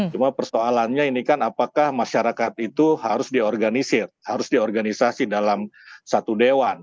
cuma persoalannya ini kan apakah masyarakat itu harus diorganisir harus diorganisasi dalam satu dewan